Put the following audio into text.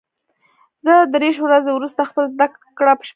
زه دېرش ورځې وروسته خپله زده کړه بشپړوم.